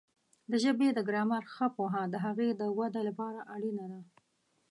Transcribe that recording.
د ژبې د ګرامر ښه پوهه د هغې د وده لپاره اړینه ده.